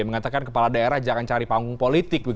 mengatakan kepala daerah jangan cari panggung politik